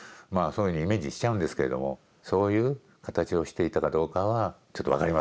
そういうふうにイメージしちゃうんですけれどもそういう形をしていたかどうかはちょっと分かりませんよね。